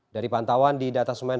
dari pantauan di data semen